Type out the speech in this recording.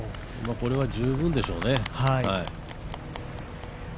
これは十分でしょうね。